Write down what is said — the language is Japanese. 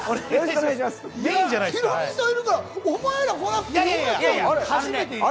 ヒロミさんいるからお前ら来なくてよかったのに。